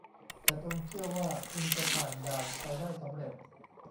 แต่จงเชื่อว่าคุณจะผ่านด่านไปได้สำเร็จ